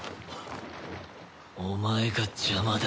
お前が邪魔だ